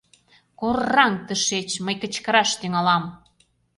Кор-раҥ тышеч, мый кычкыраш тӱҥалам!